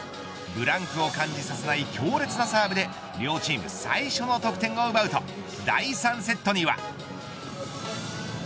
ブランクを感じさせない強烈なサーブで両チーム最初の得点を奪うと第３セットには。